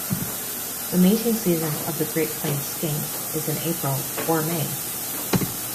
The mating season of the Great Plains skink is in April or May.